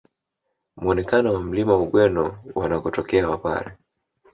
Muonekano wa Mlima Ugweno wanakotokea wapare